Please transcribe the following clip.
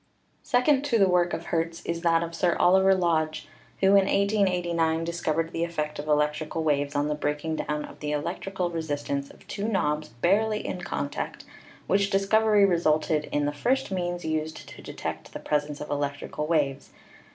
Second to the work of Hertz is that of Sir Oliver Lodge, who in 1889 discovered the effect of electric waves on the breaking down of the electrical resistance of two knobs barely in contact, which discovery resulted in the first means used to detect the presence of electrical waves, viz.